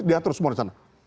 diatur semua dari sana